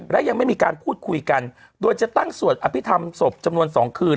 และยังไม่มีการพูดคุยกันโดยจะตั้งสวดอภิษฐรรมศพจำนวน๒คืน